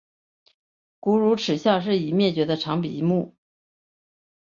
古乳齿象是已灭绝的长鼻目。